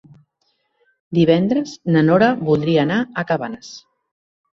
Divendres na Nora voldria anar a Cabanes.